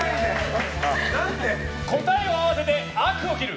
答えを合わせて悪を斬る！